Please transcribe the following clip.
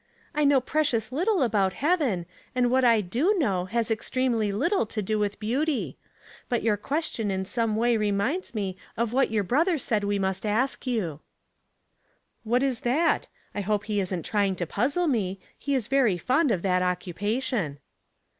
" I know precious little about heaven, and what I do know has extremely little to do with beauty. But your question in some way reminds me of what your brother said we must ask you." *' What is that ? I hope he isn't trying to puzzle me. He is very fond of that occupation."